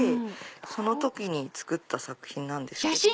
その時に作った作品なんですけど。